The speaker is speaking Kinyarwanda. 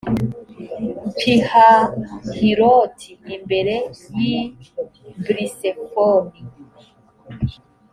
pihahiroti imbere y i b lisefoni